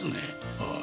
ああ。